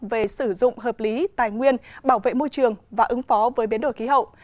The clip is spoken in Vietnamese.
về sử dụng hợp lý tài nguyên bảo vệ môi trường và ứng phó với biến đổi khí hậu